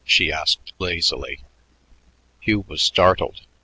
she asked lazily. Hugh was startled.